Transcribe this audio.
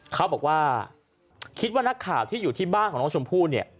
เขาบอกว่าคิดว่านักข่าวที่อยู่ที่บ้านของน้องชมพู่เนี่ย